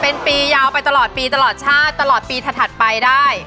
เป็นปียาวไปตลอดปีตลอดชาติตลอดปีถัดไปได้